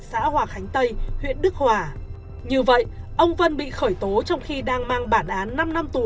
xã hòa khánh tây huyện đức hòa như vậy ông vân bị khởi tố trong khi đang mang bản án năm năm tù